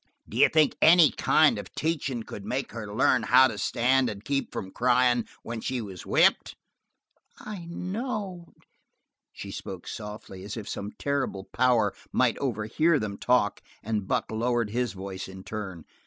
D'you think that any kind of teachin' could make her learn how to stand and keep from cryin' when she was whipped?" "I know." She spoke softly, as if some terrible power might overhear them talk, and Buck lowered his voice in turn.